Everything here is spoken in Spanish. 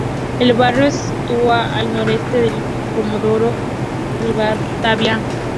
El barrio se sitúa al noroeste de Comodoro Rivadavia.